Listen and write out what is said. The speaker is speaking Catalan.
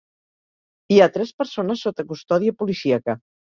Hi ha tres persones sota custòdia policíaca.